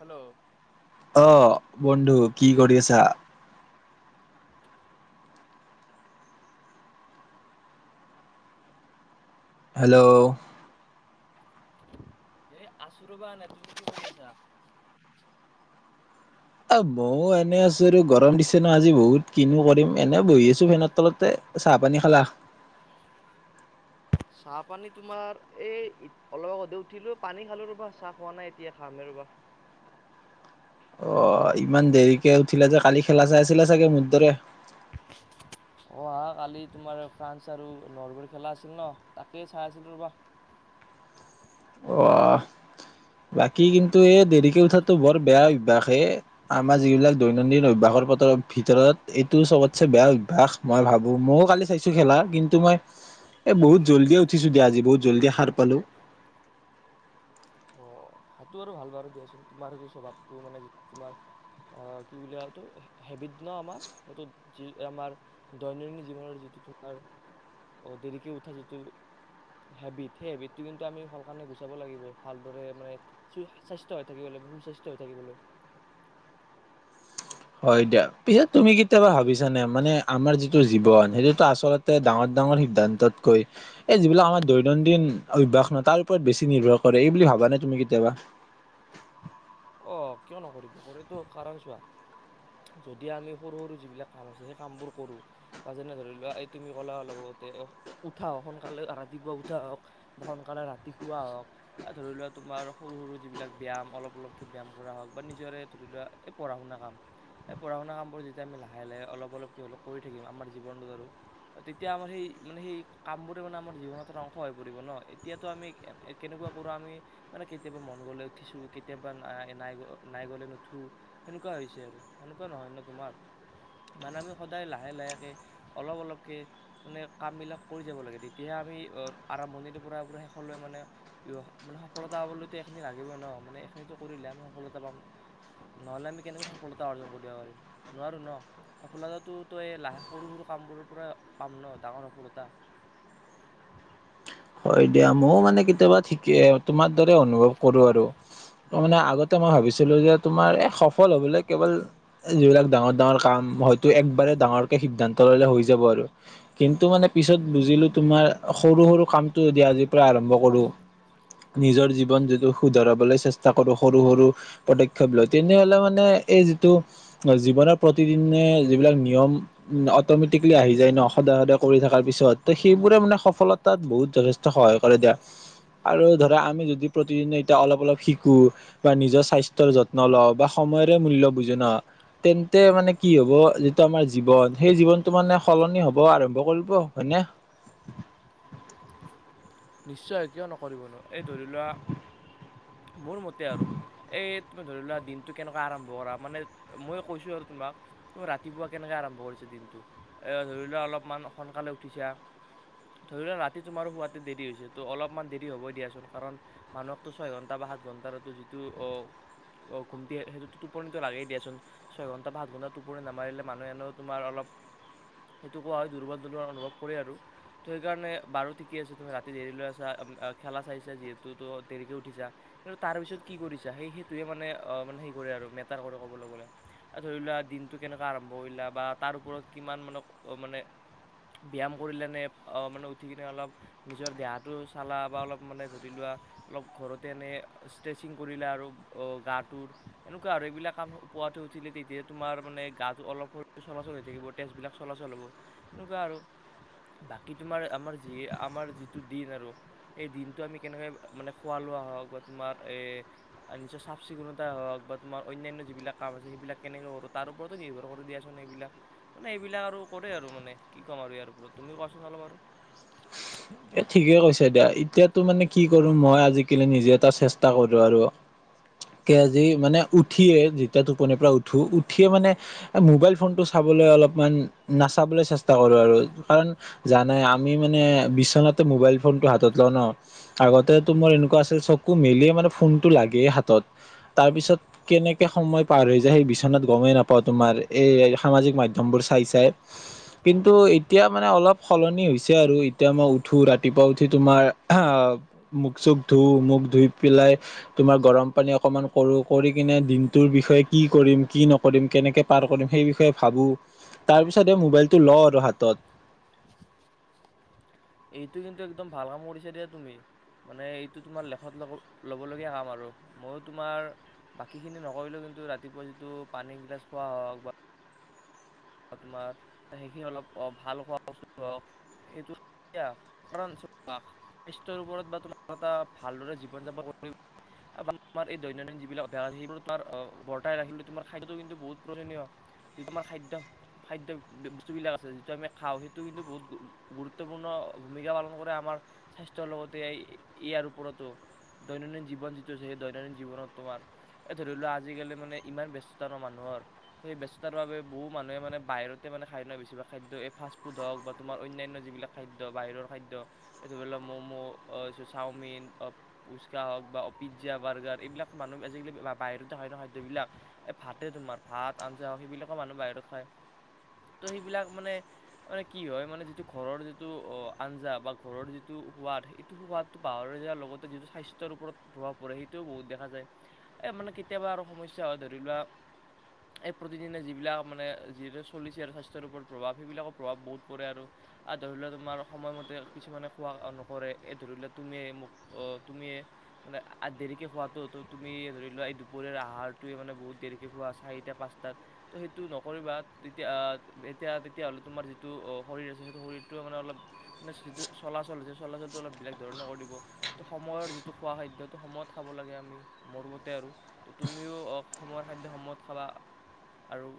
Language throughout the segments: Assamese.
হেল্ল'। অ' বন্ধু কি কৰি আছা? হেল্ল'। এ' আছো ৰ'বা এনেই। তুমি কি আছা? মইও এনেই আছো আৰু গৰম দিছে ন' আজি বহুত কিনো কৰিম এনেই বহি আছো ফেনৰ তলতে। চাহ-পানী খালা? [unintelligible] চাহ-পানী তোমাৰ এই অলপ আগতে উঠিলোঁ, পানী খালোঁ, ৰ'বা চাহ খোৱা নাই এতিয়া খামেই ৰ'বা। অহ', ইমান দেৰিকে উঠিলে যে কালি খেলা চাই আছিলে চাগে মোৰ দৰে। অঁহ', -হাঁ, কালি তোমাৰ ফ্ৰান্স আৰু নৰবেৰ খেলা আছিলো ন' তাকেই চাই আছিলো ৰ'বা। অ বাকী কিন্তু এই দেৰিকে উঠাটো বৰ বেয়া অভ্যাস এ আমাৰ যিবিলাক দৈনন্দিন অভ্যাসৰ বতৰত ভিতৰত এইটো চবতছে বেয়া অভ্যাসৰ মই ভাবো ময়ো কালি চাইছো খেলা কিন্তু মই এই বহুত জল্ডিয়ে উঠিছো দিয়া আজি বহুত জল্ডিয়ে সাৰ পালো ভাতটো আৰু ভাল বাৰু দিয়াচোন তোমাৰ সেইটো স্বভাৱটো মানে তোমাৰ কি বুলি সেইটো হেবিট ন আমাৰ সেইটো যি আমাৰ দৈনন্দিন জীৱনৰ যিটো তোমাৰ দেৰিকে উঠা যিটো হেবিট সেই হেবিটতো কিন্তু আমি ভাল কাৰণে গুচাব লাগিব ভালদৰে মানে সুস্বাস্থ্য হৈ থাকিব লাগিব সুস্বাস্থ্য হৈ থাকিবলৈ হয় দিয়া পিছে তুমি কেতিয়াবা ভাবিছানে মানে আমাৰ যিটো জীৱন সেইটোতো আচল তে ডাঙৰ ডাঙৰ সিদ্ধান্ততকৈ এই যিবিলাক আমাৰ দৈনন্দিন অভ্যাস ন তাৰ ওপৰত বেছি নিৰ্ভৰ কৰে এই বুলি ভাবা নে তুমি কেতিয়াবা অ কিয় নকৰিব হয়তো কাৰণ চোৱা যদি আমি সৰু সৰু যিবিলাক কাম আছে সেই কামবোৰ কৰো পাজনে ধৰি লোৱা এই তুমি ক'লা অলপ আগতে এ উঠা হওক সোনকালে ৰাতিপুৱা উঠা হওক বা সোনকালে ৰাতি শুৱা হওক ধৰি লোৱা তোমাৰ সৰু সৰু যিবিলাক ব্যয়াম অলপ অলপ ব্যায়াম কৰা হওক বা নিজৰে ধৰি লোৱা এই পঢ়া শুনা কাম এই পঢ়া শুনা কামবোৰ যেতিয়া লাহে লাহে অলপ অলপকে হ'লো কৰি থাকিম আমাৰ জীৱনটোত আৰু তেতিয়া আমাৰ সেই মানে সেই কামবোৰে মানে আমাৰ জীৱনত অংশ হৈ পৰিব ন এতিয়াতো আমি কেনেকোৱা কৰো আমি মানে কেতিয়াবা মন গলৈ উঠিছো কেতিয়াবা ন নাই নাই গলে নুঠো সেনেকোৱা হৈছে আৰু সেনেকোৱা নহয় ন তোমাৰ মানে আমি সদায় লাহে লাহেকে অলপ অলপকে মানে কামবিলাক কৰি যাব লাগে তেতিয়াহে আমি আৰম্ভণিটোৰ পৰা শেষলৈ মানে মানে সফলতা পাবলৈতো এইখিনি লাগিবই ন মানে এইখিনিতো কৰিলে আমি সফলতা পাম নহ'লে আমি কেনেকৈ সফলতা অৰ্জন কৰিব পাৰিম, নোৱাৰোঁ ন'। সফলতাটো তই লাহে সৰু সৰু কামবোৰৰ পৰা পাম ন ডাঙৰ সফলতা। হয়, দিয়া ময়ো মানে কেতিয়াবা ঠিকে তোমাৰ দৰে অনুভৱ কৰোঁ আৰু। ত' মানে আগতে মই ভাবিছিলোঁ যে তোমাৰ এই সফল হ'বলৈ কেৱল যিবিলাক ডাঙৰ-ডাঙৰ কাম, হয়তো একবাৰে ডাঙৰকে সিদ্ধান্ত ল'লে হৈ যাব আৰু। কিন্তু মানে পিছত বুজিলোঁ তোমাৰ সৰু সৰু কামটো আজিৰ পৰা আৰম্ভ কৰোঁ। নিজৰ জীৱন যিটো শুধৰাবলৈ চেষ্টা কৰোঁ সৰু সৰু। পদক্ষেপ লয়, তেনেহ'লে মানে এই যিটো চোৱা জীৱনৰ প্ৰতিদিনে যিবিলাক নিয়ম উ অটমেটিকেলি আহি যায় ন সদায় সদায় কৰি থকাৰ পিছত ত সেইবোৰে মানে সফলতাত বহুত যথেষ্ট সহায় কৰে দিয়া আৰু ধৰা আমি যদি প্ৰতিদিনে এতিয়া অলপ অলপ শিকো বা নিজৰ স্বাস্থ্য যত্ন লও বা সময়ৰে মূল্য বুজে ন তেন্তে মানে কি হ'ব যিটো আমাৰ জীৱন সেই জীৱনটো মানে সলনি হব আৰম্ভ কৰিব হয়নে [unintelligible] নিশ্চয় এতিয়াও নকৰিবনো এই ধৰি লোৱা মোৰ মতে আৰু এই তুমি ধৰি লোৱা দিনটো কেনেকোৱা আৰম্ভ কৰা মানে মই কৈছো আৰু তোমাক তোৰ ৰাতিপুৱা কেনেকে আৰম্ভ কৰিছে দিনটো এ ধৰি লোৱা অলপমান সোনকালে উঠিছা। ধৰি লোৱা ৰাতি তোমাৰ শুৱাতে দেৰি হৈছে, তো অলপমান দেৰি হ'বই দিয়াচোন কাৰণ মানুহকটো ছয় ঘণ্টা বা সাত ঘণ্টাৰটো যিটো অ' অ ঘুমটি এ সেইটো টোপনিটো লাগেই দিয়াচোন। ছয় ঘণ্টা পাচ ঘণ্টা টোপৰি নামাৰিলে মানুহে হেন তোমাৰ অলপ। সেইটো কোৱা হয় দুৰ্বল দুৰ্বল অনুভৱ কৰে আৰু তো সেইকাৰণে বাৰু ঠিক। ঠিকে আছা তুমি ৰাতি দেৰি লৈ আছা উম অ খেলা চাইছা যিহেতু তো দেৰিকৈ উঠিছা। কিন্তু তাৰ পিছত কি কৰিছা, সেই সেইটোহে মানে অ', মানে সেই কৰে আৰু মেটাৰ কৰে কবলৈ গ'লে। ধৰি লোৱা দিনটো কেনেকুৱা আৰম্ভ কৰিলা, বা তাৰ ওপৰত কিমান মানক মানে ব্যায়াম কৰিলে নে অ মানে উঠি কেনে অলপ। নিজৰ দেহাটো চালা বা অলপ মানে ধৰি লোৱা অলপ ঘৰতে এনেই। ষ্ট্ৰেছিং কৰিলা আৰু অ', গাটোৰ এনেকুৱা আৰু এইবিলাক কাম পুৱাতে উঠিলে তেতিয়াত তোমাৰ মানে গাটো অলপ শৰীৰ চলাচল হৈ থাকিব তেজবিলাক চলাচল হ'ব এনেকুৱা আৰু। বাকী তোমাৰ আমাৰ যি আ। আমাৰ যিটো দিন আৰু সেই দিনটো আমি কেনেকৈ মানে খোৱা লোৱা হওঁক বা তোমাৰ এই। আৰু নিজৰ চাফ চিকুণতা হওঁক বা তোমাৰ অন্যান্য যিবিলাক কাম আছে, সেইবিলাক কেনেকে কৰোঁ তাৰ ওপৰত নিৰ্ভৰ কৰে দিয়াচোন এইবিলাক। মানে এইবিলাক আৰু কৰে আৰু মানে কি ক'ম আৰু ইয়াৰ ওপৰত, তুমি কোৱাচোন অলপ আৰু? এ ঠিকে কৈছে দিয়া, এতিয়াতো মানে কি কৰোঁ মই আজিকালি নিজে এটা চেষ্টা কৰোঁ আৰু। কে যি মানে উঠিয়ে যেতিয়া টোপনিৰ পৰা উঠো উঠিয়ে মানে। এ মোবাইল ফোনটো চাবলৈ অলপমান নাচাবলৈ চেষ্টা কৰোঁ আৰু কাৰণ, জানাই আমি মানে বিছ তোমাৰটো মোবাইল ফোনটো হাতত লওঁ ন। আগতেটো মোৰ এনেকুৱা আছিল চকু মেলিয়ে মানে ফোনতটো লাগেই হাতত, তাৰ পিছত কেনেকে সময় পাৰ হৈ যায় সেই বিচনাত গমেই নাপাওঁ তোমাৰ এই সামাজিক মাধ্যমবোৰ চাই চাই। কিন্তু এতিয়া মানে অলপ সলনি হৈছে আৰু এতিয়া মই উঠ। উঠো ৰাতিপুৱা উঠি তোমাৰ আহ মুখ-চুখ ধুওঁ মুখ ধুই পেলাই তোমাৰ গৰম পানী অকমান কৰোঁ, কৰি কেনে দিনটোৰ বিষয়ে কি কৰিম কি নক কৰিম কেনেকৈ পাৰ কৰিম সেই বিষয়ে ভাবোঁ, তাৰপিছহে মোবাইলটো লওঁ আৰু হাতত। এইটো কিন্তু একদম ভাল কাম কৰিছে দিয়া তুমি। মানে এইটো তোমাৰ লেখত ল'ব ল'বলগীয়া কাম আৰু ময়ো তোমাৰ বাকী খিনি নকৰিলেও কিন্তু ৰাতিপুৱা যিটো পানী গিলাছ খোৱা হওঁক বা। তোমাৰ সেইখিনি অলপ ভাল খোৱা বস্তু হওঁক। এইটো কেতিয়া [unintelligible] স্বাস্থ্যৰ ওপৰত বা তোমাৰ এটা ভালদৰে জীৱন যাপন কৰিব আৰু তোমাৰ এই দৈনন্দিন যিবিলাক অভ্যাস আছে সেইবোৰ তোমাৰ অ', বৰ্তাই ৰাখিবলৈ তোমাৰ খাদ্য কিন্তু বহুত প্ৰয়োজনীয়। যি আমাৰ খাদ্য। খাদ্য বস্তুবিলাক আছে যিটো আমি খাওঁ সেইটো কিন্তু বহুত গুৰুত্বপূৰ্ণ। ভূমিকা পালন কৰে আমাৰ স্বাস্থ্যৰ লগতে ই-ইয়াৰ ওপৰতো। দৈনন্দিন জীৱন যিটো আছে সেই দৈনন্দিন জীৱনত তোমাৰ। এ, ধৰি লোৱা আজিকালি মানে, ইমান ব্যস্ততা ন' মানুহৰ, ত' সেই ব্যস্ততাৰ বাবে বহুত মানুহে মানে বাহিৰতে মানে খাদ্য নহয় বেছিভাগ খাদ্য এই ফাষ্টফুড হওক বা তোমাৰ অন্যান্য যিবিলাক খাদ্য বাহিৰৰ খাদ্য এইটো ধৰি লোৱা ম'মো চাওমিন অ ফুচকা হওক বা পিজ্জা বাৰ্গাৰ এইবিলাক মানুহ আজিকালি বাহিৰতে খায় ন খাদ্যবিলাক এ ভাতে তোমাৰ ভাত আঞ্জাও সেইবিলাকে মানুহ বাহিৰত খায় ত' সেইবিলাক মানে তাৰ মানে কি হয় মানে যিটো ঘৰৰ যিটো আঞ্জা বা ঘৰৰ যিটো সোৱাদ সেইটো সোৱাদ পাহৰি যোৱাৰ লগতে যিটো স্বাস্থ্যৰ ওপৰত প্ৰভাৱ পৰে সেইটোও বহুত দেখা যায় এই মানে কেতিয়াবা আৰু সমস্যা হয় ধৰি লোৱা এই প্ৰতিদিনে যিবিলাক মানে যিহেতু চলিছে আৰু স্বাস্থ্যৰ ওপৰত প্ৰভাৱ সেইবিলাকৰ প্ৰভাৱ বহুত পৰে আৰু আৰু ধৰি লোৱা তোমাৰ সময়মতে কিছুমানে খোৱা নকৰে এই ধৰি লোৱা তুমিয়ে মোক অ তুমি মানে দেৰিকে খোৱাতো তুমি ধৰি লোৱা এই দুপৰীয়াৰ আহাৰটোৱে মানে বহুত দেৰিকে খোৱা চাৰিটা পাঁচটাত টো নকৰিবা তেতিয়া এতিয়া তেতিয়াহ'লে তোমাৰ যিটো শৰীৰ আছে সেইটো শৰীৰটোৱে মানে অলপ মানে যিটো চলাচল সেই চলাচলটো অলপ বেলেগ ধৰণে কৰি দিব ত সময়ৰ যিটো খোৱা খাদ্যটো সময়ত খাব লাগে আমি মোৰ মতে আৰু ত' তুমিও অ সময়ৰ খাদ্য সময়ত খাবা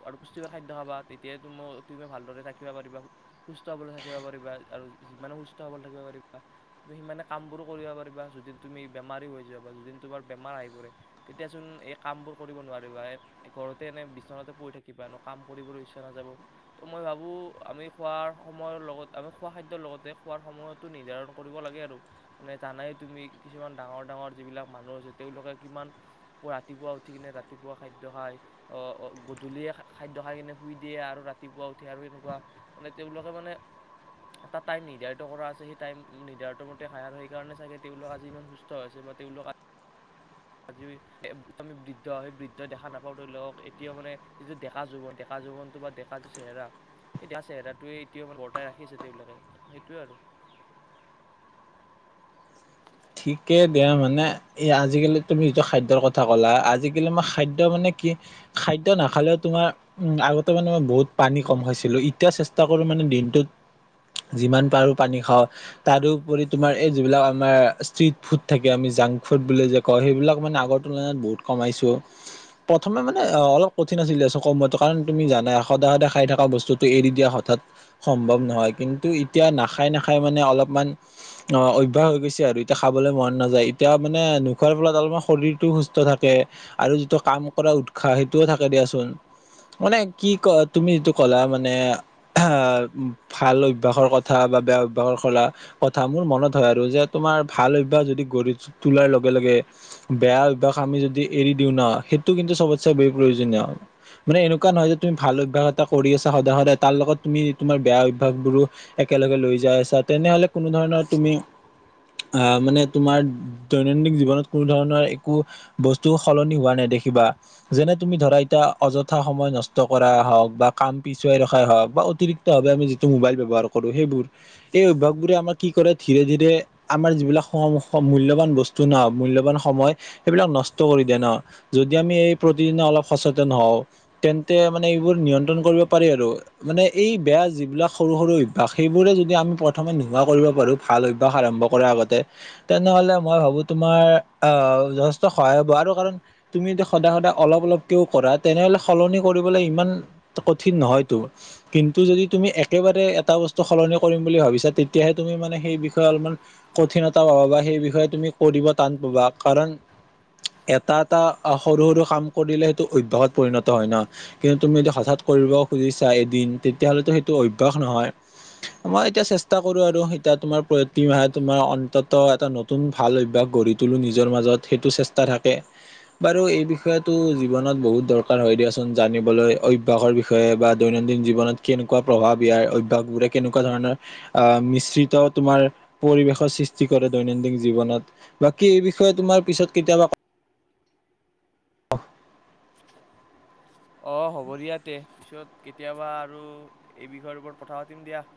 আৰু আৰু পুষ্টিকৰ খাদ্য খাবা তেতিয়াই তুম তুমি ভালদৰে থাকিবা পাৰিবা সুস্থ হবলৈ থাকিব পাৰিবা আৰু যিমানে সুস্থ হ'বলৈ থাকিব পাৰিবা তুমি সিমানে কামবোৰো কৰিব পাৰিবা যদিন তুমি বেমাৰী হৈ যোৱা বা যদিন তোমাৰ বেমাৰ আহি পৰে তেতিয়া চোন এই কাম বোৰ কৰিব নোৱাৰিবা ঘৰতে এনে বিচনাতে পৰি থাক কিবানো কাম কৰিবলৈ ইচ্ছা নাযাব ত' মই ভাবোঁ আমি খোৱাৰ সময়ৰ লগত আমি খোৱা খাদ্যৰ লগতে খোৱাৰ সময়ত টো নিৰ্যাৰণ কৰিব লাগে আৰু মানে জানাই তুমি কিছুমান ডাঙৰ ডাঙৰ যিবিলাক মানুহ আছে তেওঁলোকে কিমান পুৱা ৰাতিপুৱা উঠি কিনে ৰাতিপুৱা খাদ্য খায় অ অ গধূলিয়ে খা খাদ্য খাই কিনে শুই দিয়ে আৰু ৰাতিপুৱা উঠে আৰু এনেকুৱা মানে তেওঁলোকে মানে এটা টাইম নিৰ্ধাৰিত কৰা আছে সেই টাইম নিধাৰিত মতে খাই আৰু সেইকাৰণে চাগে তেওঁলোক আজি ইমান সুচ ট আছে বা তেওঁলোক আ হয় [inaudible] আজি ই এ আমি বৃদ্ধ সেই বৃদ্ধ দেখা নাপাওঁ ধৰি লওক এতিয়াও মানে যিটো ডেকা জীৱন ডেকা জীৱনটো বা ডেকা যি চেহেৰা সেই দা চেহেৰাটোৱে এতিয়া মান বৰ্তাই ৰাখিছে তেওঁবিলাকে সেইটোৱে আৰু ঠিকে দিয়া মানে এই আজিকালি তুমি যিটো খাদ্যৰ কথা ক'লা আজিকালি মই খাদ্য মানে কি খাদ্য নাখালেও তোমাৰ উম আগত তে মানে মই বহুত পানী কম খাইছিলো এতিয়া চেষ্টা কৰো মানে দিনটোত যিমান পাৰো পানী খাওঁ তাৰোপৰি তোমাৰ এই যিবিলাক আমাৰ ষ্ট্ৰিট ফুড থাকে আমি জাংক ফুড বুলি যে কওঁ সেইবিলাক মানে আগৰ তুলনাত বহুত কমাইছোঁ প্ৰথমে মানে অলপ কঠিন আছিলে চ কময়তো কাৰণ তুমি জানাই সদায় সদে খাই থকা বস্তুটো এৰি দিয়া হঠাৎ সম্ভৱ নহয় কিন্তু এতিয়া নাখাই নাখাই মানে অলপমান অ অভ্যাস হৈ গৈছে আৰু তিয়া খাবলে মন নাযায় এতিয়া মানে নোখোৱাৰ ফলত অলপমান শৰীৰটো সুস্থ থাকে আৰু যিটো কাম কৰা উৎসাহ সেইটোও থাকে দিয়াচোন মানে কি ক তুমি যিটো ক'লা মানে আহ ভাল অভ্যাসৰ কথা বা বেয়া অভ্যাহৰ কলা কথা মোৰ মনত হয় আৰু যে তোমাৰ ভাল অভ্যাস যদি গঢ়ি তোলাৰ লগে লগে! বেয়া অভ্যাস আমি যদি এৰি দিও ন সেইটো কিন্তু চবতচে বে প্ৰয়োজনীয়। মানে এনেকুৱা নহয় যে তুমি ভাল অভ্যাস এটা কৰি আছা সদায় সদায় তাৰ লগত তুমি তোমাৰ বেয়া অভ্যাস বোৰো! একেলগে লৈ যাই আছা তেনেহলে কোনো ধৰণৰ তুমি! আ মানে তোমাৰ! দৈনন্দিন জীৱনত কোনো ধৰণৰ একো বস্তু সলনি হোৱা নেদেখিবা। যেনে তুমি ধৰা এতিয়া অযথা সময় নষ্ট কৰাই হওঁক বা কাম পিছুৱাই ৰখাই হওঁক বা অতিৰিক! ক্ত ভাৱে আমি যিটো মোবাইল ব্যৱহাৰ কৰোঁ সেইবোৰ এই অভ্যাসবোৰে আমাৰ কি কৰে ধীৰে ধীৰে! আমাৰ যিবিলাক সম স মূল্যবান বস্তু ন মূল্যবান সময় সেইবিলাক নষ্ট কৰি দিয়ে ন। যদি আমি এই প্ৰতিদিনে অলপ সচেতন হওঁ তেন্তে মানে এইবোৰ নিয়ন্ত্ৰণ কৰিব পাৰি আৰু মানে এই বেয়া যিবিলাক সৰু সৰু অভ্যাস সেইবোৰে যদি আমি প্ৰথমে নোহোৱা কৰিব পাৰোঁ ভাল অভ্যাস আৰম্ভ কৰা আগতে তেনেহ'লে মই ভাবো তোমাৰ আহ যথেষ্ট সহায় হ'ব আৰু কাৰণ তুমি যদি সদায় সদায় অলপ অলপকেও কৰা তেনেহলে সলনি কৰিবলে ইমান ত কঠিন নহয়তো কিন্তু যদি তুমি একেবাৰে এটা বস্তু সলনি কৰিম বুলি ভাবিছা তেতিয়াহে তুমি মানে সেই বিষয়ে অলপমান কঠিনতা পাবা বা সেই বিষয়ে তুমি কৰিব টান পাবা কাৰণ এটা এটা সৰু সৰু কাম কৰিলে সেইটো অভ্যাসত পৰিণত হয় ন কিন্তু তুমি যদি হঠাৎ কৰিব খুজিছা এদিন তেতিয়া হ'লেতো সেইটো অভ্যাস নহয়। মই এতিয়া চেষ্টা কৰোঁ আৰু এতিয়া তোমাৰ প্ৰতি মাহাত তোমাৰ অন্তত্ব এটা নতুন ভাল অভ্যাস গঢ়ি তুলো নিজৰ মাজত সেইটো চেষ্টা থাকে। বাৰু এই বিষয়েটো জীৱনত বহুত দৰকাৰ হয় দিয়াচোন জানিবলৈ অভ্যাসৰ বিষ বিষয়ে বা দৈনন্দিন জীৱনত কেনেকুৱা প্ৰভাৱ ইয়াৰ অভ্যাসবোৰে কেনেকুৱা ধৰণৰ! আহ মিশ্ৰিত তোমাৰ পৰিবেশৰ সৃষ্টি কৰে দৈনন্দিন জীৱনত বাকী এই বিষয়ে তোমাৰ পিছত কেতিয়াবা অফ। অ' হ'ব দিয়া তে পিছত কেতিয়াবা আৰু এই বিষয়ৰ ওপৰত কথা পাতিম দিয়া।